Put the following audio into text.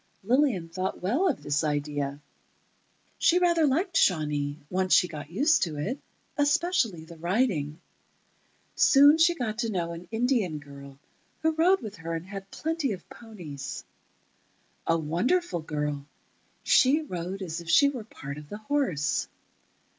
Lillian thought well of the idea. She rather liked Shawnee, once she got used to it, especially the riding. Soon she got to know an Indian girl, who rode with her and had plenty of ponies. A wonderful girl—she rode as if she were a part of the horse.